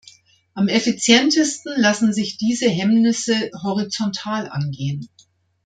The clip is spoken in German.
Am effizientesten lassen sich diese Hemmnisse horizontal angehen.